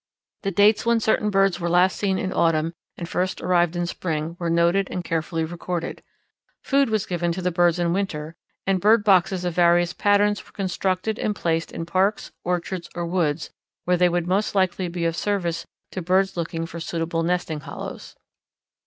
The dates when certain birds were last seen in autumn and first arrived in spring were noted and carefully recorded. Food was given to the birds in winter and bird boxes of various patterns were constructed and placed in parks, orchards, or woods where they would most likely be of service to birds looking for suitable nesting hollows.